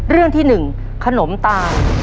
เรื่องที่หนึ่งขนมสาย